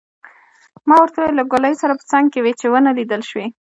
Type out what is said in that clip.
ما ورته وویل: له ګولایي سره په څنګ کې وې، چې ونه لیدل شوې.